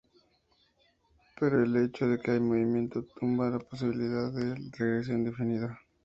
Pero el hecho de que hay movimiento, tumba la posibilidad de una regresión indefinida.